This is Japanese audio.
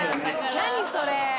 何それ。